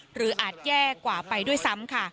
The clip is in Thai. อาจแย่กว่าไปด้วยซ้ำค่ะ